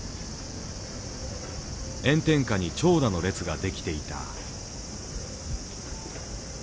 炎天下に長蛇の列ができていた。